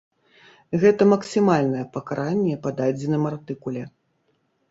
Гэта максімальнае пакаранне па дадзеным артыкуле.